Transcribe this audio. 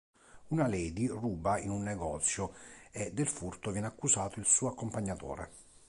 Una Lady ruba in un negozio e del furto viene accusato il suo accompagnatore.